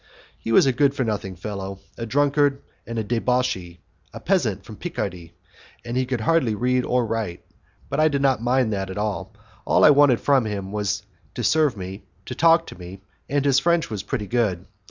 He was a good for nothing fellow, a drunkard and a debauchee, a peasant from Picardy, and he could hardly read or write, but I did not mind all that; all I wanted from him was to serve me, and to talk to me, and his French was pretty good.